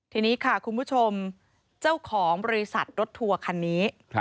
ทีนี้ค่ะคุณผู้ชมเจ้าของบริษัทรถทัวร์คันนี้